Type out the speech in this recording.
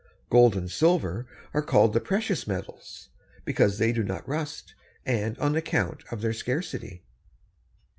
Gold and silver are called the precious metals because they do not rust, and on account of their scarcity.